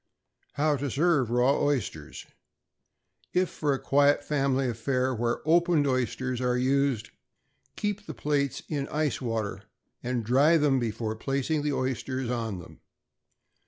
=How to serve Raw Oysters.= If for a quiet family affair, where "opened" oysters are used, keep the plates in ice water, and dry them before placing the oysters on them.